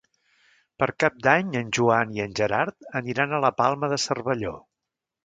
Per Cap d'Any en Joan i en Gerard aniran a la Palma de Cervelló.